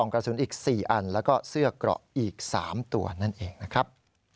กระสุนอีก๔อันแล้วก็เสื้อเกราะอีก๓ตัวนั่นเองนะครับ